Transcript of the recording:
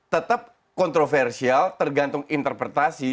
tetap kontroversial tergantung interpretasi